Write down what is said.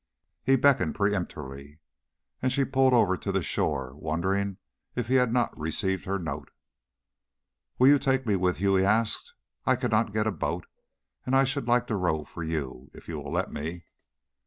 He beckoned peremptorily, and she pulled over to the shore, wondering if he had not received her note. "Will you take me with you?" he asked. "I cannot get a boat, and I should like to row for you, if you will let me."